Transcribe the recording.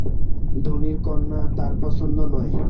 ধনীর কন্যা তাঁর পছন্দ নয়।